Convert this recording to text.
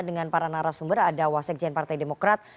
dengan para narasumber ada wasik jain partai demokrat